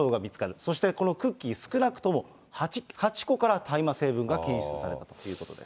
そしてこのクッキー、少なくとも８個から大麻成分が検出されたということです。